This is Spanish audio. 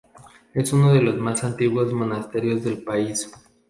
Es uno de los más antiguos monasterios del país.